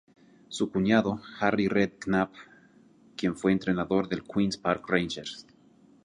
Su cuñado, Harry Redknapp quien fue entrenador del Queens Park Rangers.